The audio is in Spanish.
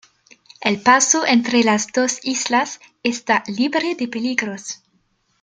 El paso entre las dos islas está libre de peligros.